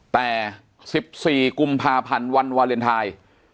แต่๑๔กุมภาพันธ์วันวาเลนไทย